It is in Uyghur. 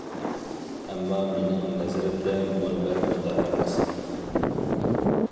ئەمما مېنىڭ نەزىرىمدە مۇنبەر ئۇنداق ئەمەس.